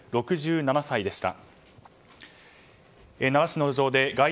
６７歳でした。